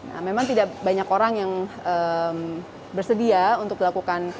nah memang tidak banyak orang yang bersedia untuk melakukan